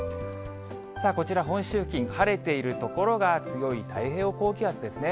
こちら、本州付近、晴れている所が強い太平洋高気圧ですね。